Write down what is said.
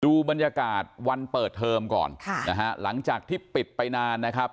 ดูบรรยากาศวันเปิดเทอมก่อนค่ะนะฮะหลังจากที่ปิดไปนานนะครับ